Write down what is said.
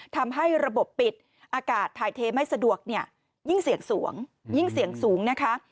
ทำให้ระบบปิดอากาศถ่ายเทไม่สะดวกเนี่ยยิ่งเสี่ยงสูงยิ่งเสี่ยงสูงนะคะ